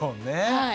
はい。